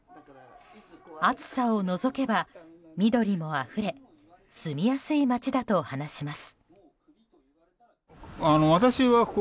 暑さを除けば緑もあふれ住みやすい町だと話します。